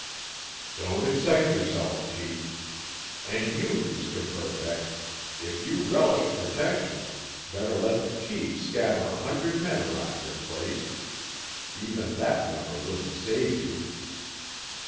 "Don't excite yourself, chief. And you, Mr. Verbeck, if you relish protection, better let the chief scatter a hundred men around your place. Even that number wouldn't save you!"